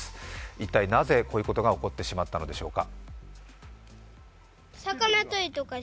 一体、なぜこういうことが起こってしまったんでしょうか。